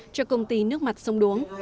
cho công ty nước mặt sông đuống